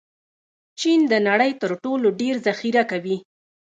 چین د نړۍ تر ټولو ډېر ذخیره کوي.